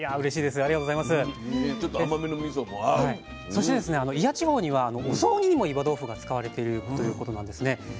そして祖谷地方にはお雑煮にも岩豆腐が使われているということなんですね。